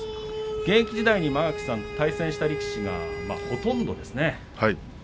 現役時代に対戦した力士がほとんどですね。